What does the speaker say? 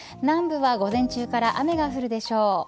南部は午前中から雨が降るでしょう。